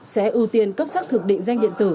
sẽ ưu tiên cấp xác thực định danh điện tử